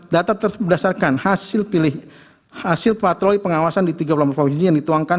data berdasarkan hasil patroli pengawasan di tiga puluh empat provinsi yang dituangkan